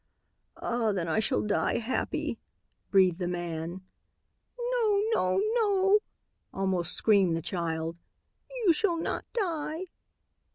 "Ah, then I shall die happy," breathed the man. "No! No! No!" almost screamed the child. "You shall not die."